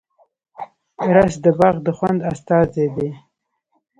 رس د باغ د خوند استازی دی